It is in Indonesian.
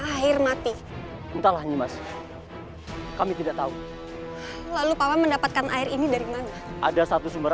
air mati entahlah nih mas kami tidak tahu lalu papa mendapatkan air ini dari mana ada satu sumber